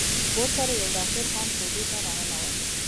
ورسره يو ډاکتر هم کوټې ته راننوت.